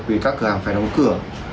vì các cửa hàng phải đóng cửa